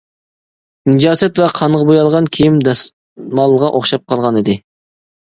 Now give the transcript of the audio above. نىجاسەت ۋە قانغا بويالغان كىيىم دەسمالغا ئوخشاپ قالغانىدى.